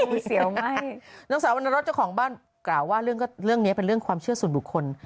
เสียวง่ายนางสาววรรณรสเจ้าของบ้านกล่าวว่าเรื่องนี้เป็นเรื่องความเชื่อส่วนบุคคล